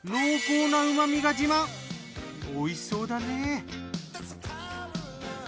おいしそうだね。